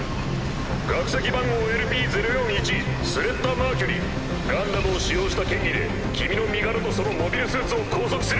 学籍番号ＬＰ０４１スレッタ・マーキュリーガンダムを使用した嫌疑で君の身柄とそのモビルスーツを拘束する。